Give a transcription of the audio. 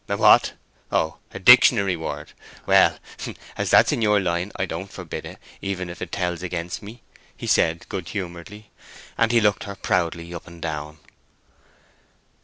"A what? Oh, a dictionary word. Well, as that's in your line I don't forbid it, even if it tells against me," he said, good humoredly. And he looked her proudly up and down.